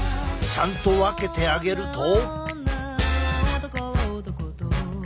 ちゃんと分けてあげると。